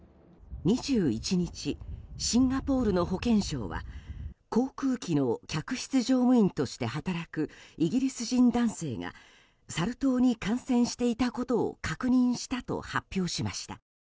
２１日、シンガポールの保健省は航空機の客室乗務員として働くイギリス人男性がサル痘に感染していたことを確認したと発表しました。